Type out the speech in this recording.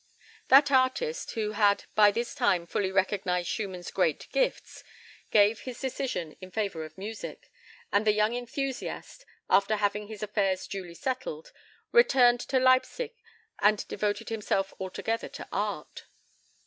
That artist, who had by this time fully recognized Schumann's great gifts, gave his decision in favour of music, and the young enthusiast, after having his affairs duly settled, returned to Leipsic and devoted himself altogether to art.